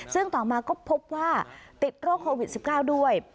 ซึ่งต่อมาก็พบว่าติดโรคโควิด๑๙ด้วย